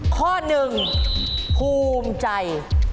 ข้อหนึ่งภูมิใจ